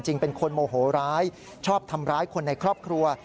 เป็นคนโมโหร้ายชอบทำร้ายคนในครอบครัว